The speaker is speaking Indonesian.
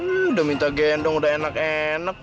udah minta gendong udah enak enak